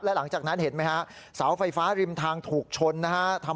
หลังจากนั้นเห็นไหมฮะเสาไฟฟ้าริมทางถูกชนนะฮะ